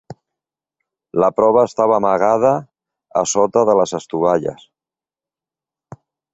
La prova estava amagada a sota de les estovalles.